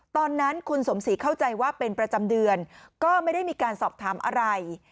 ตอนนั้นคุณสมศรีเข้าใจว่าเป็นประจำเดือนก็ไม่ได้มีการสอบถามอะไร